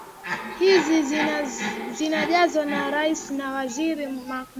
hizi zinajazwa na rais na waziri mkuu